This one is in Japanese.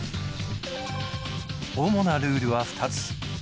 主なルールは２つ。